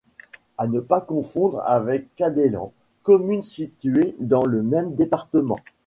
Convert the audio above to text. À ne pas confondre avec Cadeillan, commune située dans le même département.